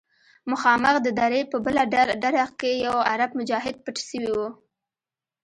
مخامخ د درې په بله ډډه کښې يو عرب مجاهد پټ سوى و.